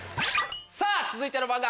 さぁ続いての漫画